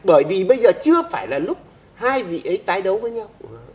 bởi vì bây giờ chưa phải là lúc hai vị ấy tái đấu với nhau